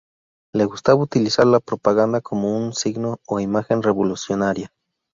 Le gustaba utilizar la propaganda como un signo o imagen revolucionaria.